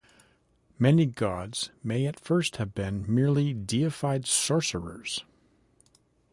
Many gods may at first have been merely deified sorcerers.